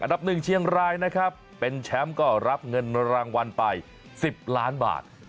ับ๑เชียงรายนะครับเป็นแชมป์ก็รับเงินรางวัลไป๑๐ล้านบาท